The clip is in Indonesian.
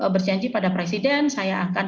berjanji pada presiden saya akan